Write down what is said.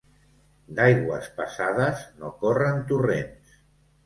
D'aigües passades no corren torrents.